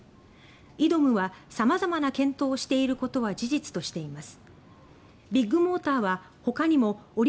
ＩＤＯＭは様々な検討をしていることは事実としています。